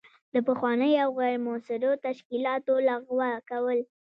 د پخوانیو او غیر مؤثرو تشکیلاتو لغوه کول.